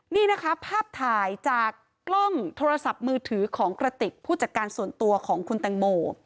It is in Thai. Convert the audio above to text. นี่นะคะภาพถ่ายจากกล้องโทรศัพท์มือถือของกระติกผู้จัดการส่วนตัวของคุณแตงโม